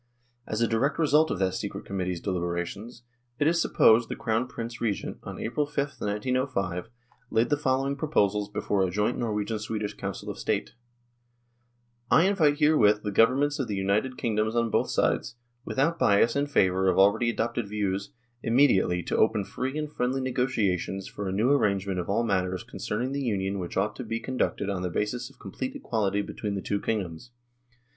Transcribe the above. As the direct result of that secret Committee's deliberations, it is supposed, the Crown Prince Regent, on April 5, 1905, laid the following proposals before a joint Norwegian Swedish Council of State ;" I invite herewith the Governments of the united king doms on both sides, without bias in favour of already adopted views, immediately to open free and friendly negotiations for a new arrangement of all matters concerning the Union which ought to be conducted on the basis of complete equality between the two kingdoms.